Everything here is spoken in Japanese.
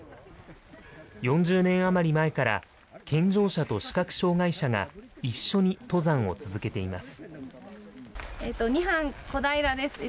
４０年余り前から健常者と視覚障害者が一緒に登山を続けています。